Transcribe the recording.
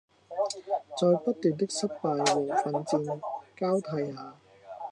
在不斷的失敗和奮戰交替下